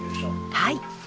はい。